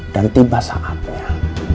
dan tiba saatnya